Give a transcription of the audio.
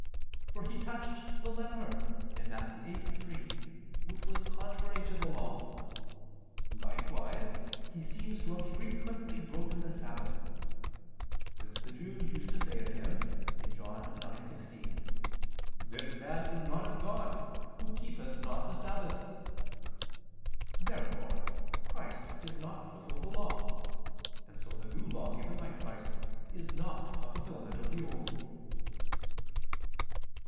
For He touched the leper (Matt. 8:3), which was contrary to the Law. Likewise He seems to have frequently broken the sabbath; since the Jews used to say of Him (John 9:16): "This man is not of God, who keepeth not the sabbath." Therefore Christ did not fulfil the Law: and so the New Law given by Christ is not a fulfilment of the Old.